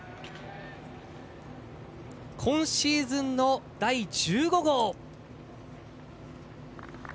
今シーズンの第１５号。